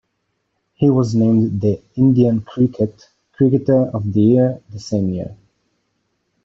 He was named the "Indian Cricket" Cricketer of the Year the same year.